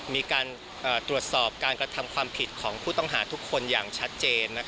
มีการตรวจสอบการกระทำความผิดของผู้ต้องหาทุกคนอย่างชัดเจน